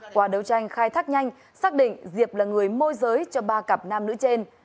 qua đấu tranh khai thác nhanh xác định diệp là người môi giới cho ba cặp nam nữ trên